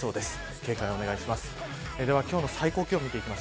警戒を、お願いします。